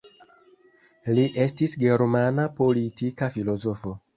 Li estis germana politika filozofo.